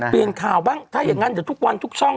เปลี่ยนข่าวบ้างถ้าอย่างนั้นเดี๋ยวทุกวันทุกช่อง